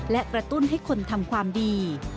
และกระตุ้นให้คนทำความดี